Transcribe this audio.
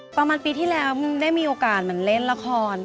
ประมาณปีที่แล้วได้มีโอกาสเหมือนเล่นละคร